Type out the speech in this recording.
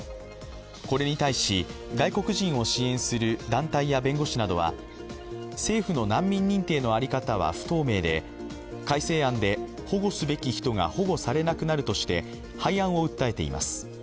これに対し外国人を支援する団体や弁護士などは政府の難民認定の在り方は不透明で改正案で保護すべき人が保護されなくなるとして廃案を訴えています。